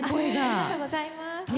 ありがとうございます。